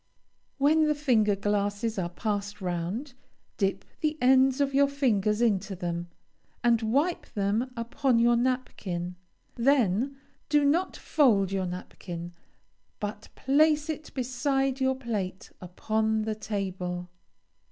When the finger glasses are passed round, dip the ends of your fingers into them, and wipe them upon your napkin; then do not fold your napkin, but place it beside your plate upon the table.